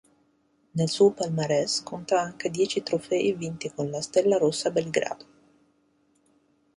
Nel suo palmarès conta anche dieci trofei vinti con la Stella Rossa Belgrado.